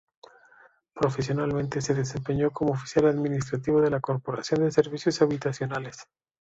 Profesionalmente se desempeñó como oficial administrativo de la Corporación de Servicios Habitacionales.